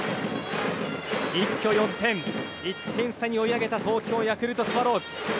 一挙４点、１点差に追い上げた東京ヤクルトスワローズ。